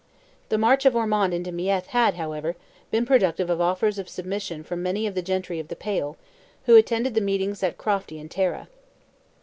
The march of Ormond into Meath had, however, been productive of offers of submission from many of the gentry of the Pale, who attended the meetings at Crofty and Tara.